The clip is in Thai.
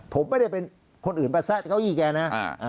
ผมไม่ได้เป็นคนอื่นสะก้าวอี่แกนะ